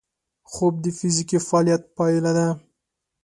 خوب د فزیکي فعالیت پایله ده